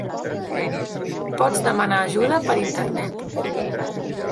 Pots demanar ajuda per Internet.